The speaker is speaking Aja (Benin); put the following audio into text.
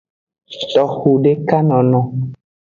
Toxudekanono.